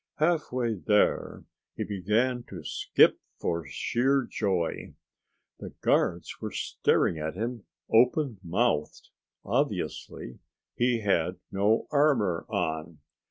Halfway there he began to skip for sheer joy. The guards were staring at him open mouthed. Obviously he had no armor on.